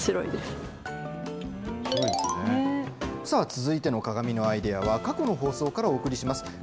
さあ、続いての鏡のアイデアは、過去の放送からお送りします。